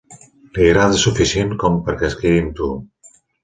Li agrades suficient com per què es quedi amb tu.